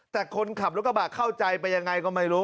แต่คนขับรถกระบะเข้าใจไปยังไงก็ไม่รู้